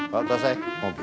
pak tau saya mobil